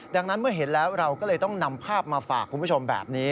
ดังนั้นเมื่อเห็นแล้วเราก็เลยต้องนำภาพมาฝากคุณผู้ชมแบบนี้